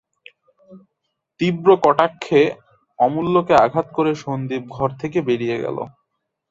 তীব্র কটাক্ষে অমূল্যকে আঘাত করে সন্দীপ ঘর থেকে বেরিয়ে গেল।